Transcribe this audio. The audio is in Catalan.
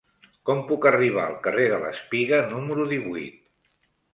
Com puc arribar al carrer de l'Espiga número divuit?